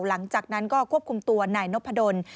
หลังจากนั้นก็ควบคุมตัวนายนพดล